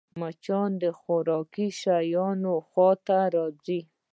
مچان د خوراکي شيانو خوا ته راځي